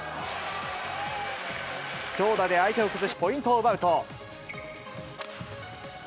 強打で相手を崩しポイントを奪うと。